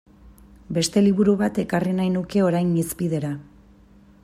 Beste liburu bat ekarri nahi nuke orain hizpidera.